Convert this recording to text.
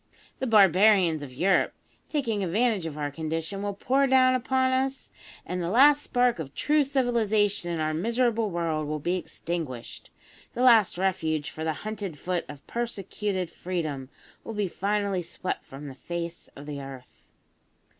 The barbarians of Europe, taking advantage of our condition, will pour down upon us, and the last spark of true civilisation in our miserable world will be extinguished the last refuge for the hunted foot of persecuted Freedom will be finally swept from the face of the earth!"